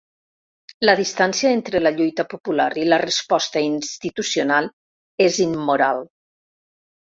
La distància entre la lluita popular i la resposta institucional és immoral.